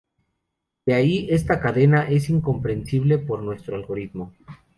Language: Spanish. De ahí, esta cadena es incompresible por nuestro algoritmo.